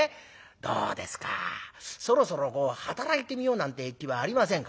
どうですかそろそろ働いてみようなんて気はありませんか？」。